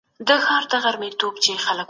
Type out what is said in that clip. د هوا پاکوالی د هر چا د روغتیا لپاره دی.